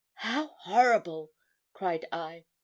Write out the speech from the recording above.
'How horrible!' cried I.